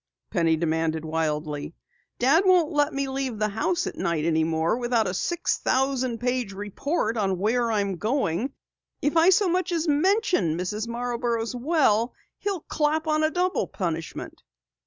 Penny demanded wildly. "Dad won't let me leave the house at night any more without a six thousand page report on where I am going. If I so much as mention Mrs. Marborough's well, he'll clap on a double punishment."